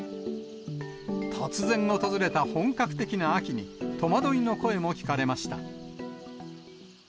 突然訪れた本格的な秋に、戸惑いの声も聞かれました。